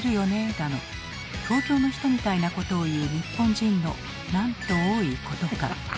だの東京の人みたいなことを言う日本人のなんと多いことか。